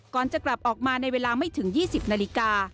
ก่อนจะกลับออกมาในเวลาไม่ถึง๒๐นาฬิกา